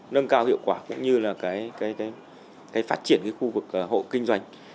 nâng cao hiệu quả cũng như là phát triển cái khu vực hộ kinh doanh